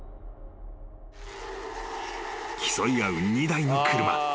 ［競い合う２台の車］